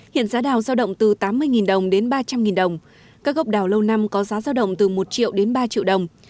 hiện giá đào giao động từ tám mươi đồng đến ba trăm linh đồng các gốc đào lâu năm có giá giao động từ một triệu đến ba triệu đồng